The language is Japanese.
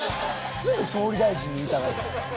すぐ総理大臣に言いたがる。